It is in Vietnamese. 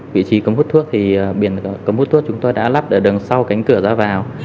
vị trí cấm hút thuốc thì biển cấm hút thuốc chúng tôi đã lắp ở đường sau cánh cửa ra vào